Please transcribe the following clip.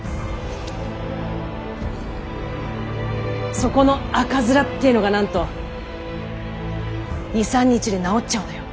そこの赤面ってのがなんと２３日で治っちゃうのよ。